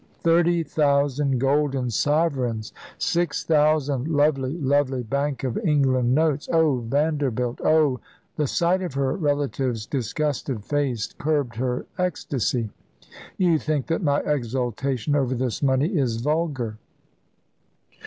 "Thirty thousand golden sovereigns! Six thousand lovely, lovely Bank of England notes! Oh, Vanderbilt! Oh " The sight of her relative's disgusted face curbed her ecstasy: "You think that my exultation over this money is vulgar."